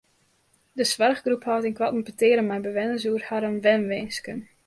De soarchgroep hâldt ynkoarten petearen mei bewenners oer harren wenwinsken.